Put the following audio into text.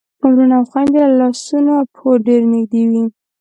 وروڼه او خويندې له لاسونو او پښو ډېر نږدې وي.